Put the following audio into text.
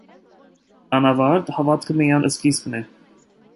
«Անավարտ». հավատքը միայն սկիզբն է։